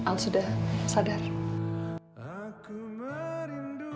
al sudah sadar